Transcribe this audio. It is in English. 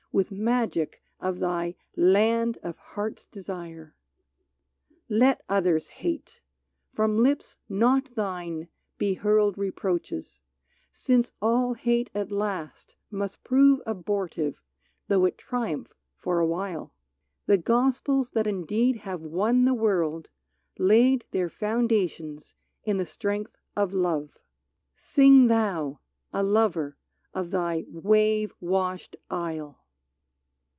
With magic of thy " Land of Heart's Desire !" Let others hate !— from lips not thine be hurled Reproaches ; since all hate at last must prove. Abortive, though it triumph for a while. 52 TO WILLIAM BUTLER YEATS The gospels that indeed have won the world Laid their foundations in the strength of love. Sing thou, a lover, of thy wave washed Isle